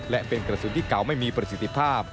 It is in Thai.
และเป็นกระสุนที่เก่าไม่มีประสิทธิภาพ